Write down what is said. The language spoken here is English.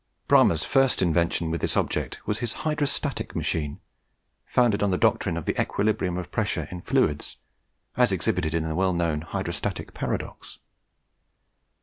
Bramah's first invention with this object was his Hydrostatic Machine, founded on the doctrine of the equilibrium of pressure in fluids, as exhibited in the well known 'hydrostatic paradox.'